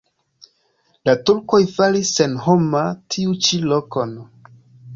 La turkoj faris senhoma tiu ĉi lokon.